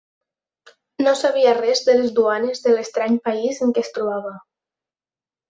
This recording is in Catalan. No sabia res de les duanes de l'estrany país en què es trobava.